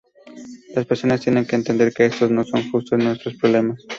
Las personas tienen que entender que estos no son justo nuestros problemas.